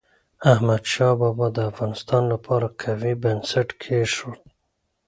احمد شاه بابا د افغانستان لپاره قوي بنسټ کېښود.